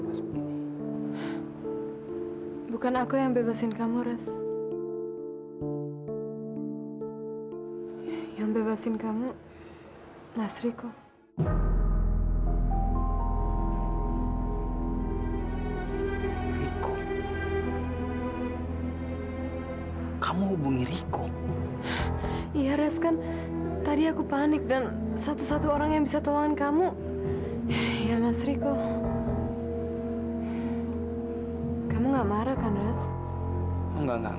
wainnya nggak boleh